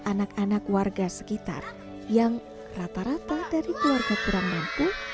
anak anak warga sekitar yang rata rata dari keluarga kurang mampu